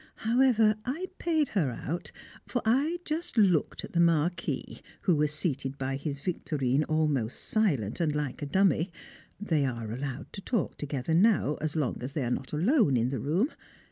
However, I paid her out, for I just looked at the Marquis, who was seated by his Victorine almost silent and like a dummy (they are allowed to talk together now, as long as they are not alone in the room).